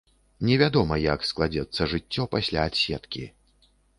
Невядома, як складзецца жыццё пасля адседкі.